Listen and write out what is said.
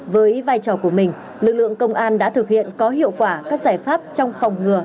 với vai trò của mình lực lượng công an đã thực hiện có hiệu quả các giải pháp trong phòng ngừa